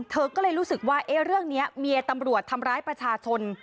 เธอก็เลยรู้สึกว่าเรื่องนี้เมียตำรวจทำร้ายประชาชน